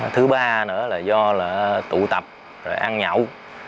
thứ ba nữa là do là tụ tập rồi ăn nhậu